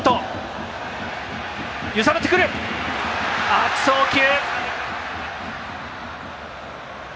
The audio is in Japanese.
悪送球！